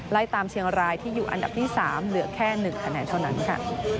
ไล่ตามเชียงรายที่อยู่อันดับที่๓เหลือแค่๑คะแนนเท่านั้นค่ะ